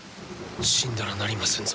死んだらなりませんぞ。